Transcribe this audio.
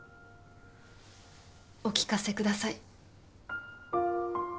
お聞かせください。